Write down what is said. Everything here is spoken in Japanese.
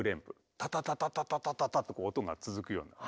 タタタタタタタタタと音が続くような感じ。